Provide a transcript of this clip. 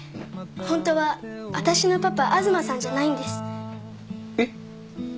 ほんとは私のパパ東さんじゃないんですえっ？